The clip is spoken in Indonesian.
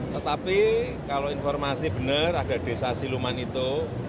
tetapi kalau informasi benar ada desa siluman itu